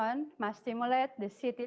untuk semua grup pendapatan ya